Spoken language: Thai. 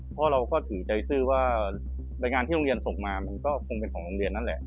เพราะเราก็ถือใจซื่อว่ารายงานที่โรงเรียนส่งมามันก็คงเป็นของโรงเรียนนั่นแหละ